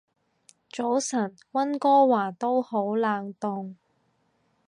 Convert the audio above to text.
早晨，溫哥華都好冷凍